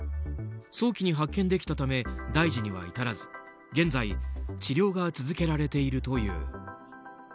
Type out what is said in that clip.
早期に発見できたため大事には至らず現在、治療が続けられているという。